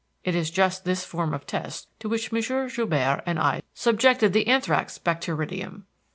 It is just this form of test to which M. Joubert and I subjected the anthrax bacteridium.